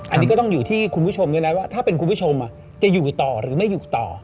อันนี้ก็ต้องอยู่ที่คุณผู้ชมด้วยนะว่าถ้าเป็นคุณผู้ชมจะอยู่ต่อหรือไม่อยู่ต่อ